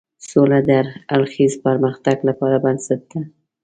سوله د هر اړخیز پرمختګ لپاره بنسټ ده.